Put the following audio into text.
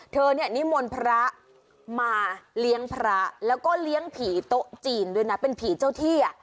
เธอเนี่ยนิมนต์พระมาเลี้ยงพระแล้วก็เลี้ยงผีโต๊ะจีนด้วยนะเป็นผีเจ้าที่อ่ะ